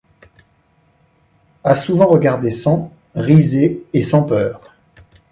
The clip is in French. A souvent regardé sans, risée et-sans peur.